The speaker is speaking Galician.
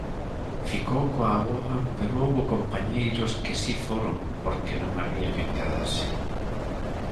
Ficou coa avoa, pero houbo compañeiros que si foron porque non había quen quedase.